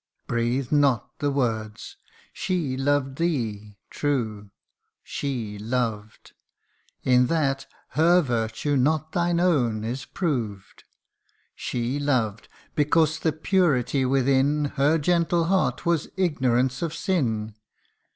CANTO II. 61 Breathe not the words, she loved thee : true, she loved : In that her virtue, not thine own, is proved. She loved, because the purity within Her gentle heart was ignorance of sin.